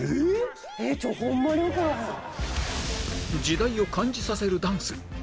時代を感じさせるダンス